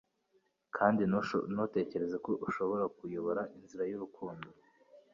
Kandi ntutekereze ko ushobora kuyobora inzira y'urukundo,